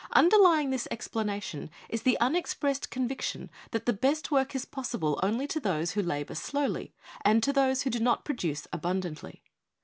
Underlying this explanation is the unexpressed conviction that the best work is possible only to those who labor slowly and to those who do not produce abundantly.